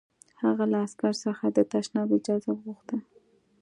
هغه له عسکر څخه د تشناب اجازه وغوښته